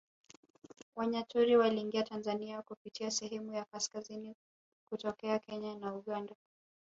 Wanyaturu waliingia Tanzania kupitia sehemu ya kaskazini kutokea Kenya na Uganda